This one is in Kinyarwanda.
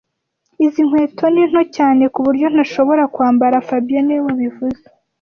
Izi nkweto ni nto cyane kuburyo ntashobora kwambara fabien niwe wabivuze